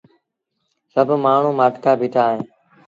سڀ مآڻهوٚٚݩ مآٺڪآ بيٚٺآ اهيݩ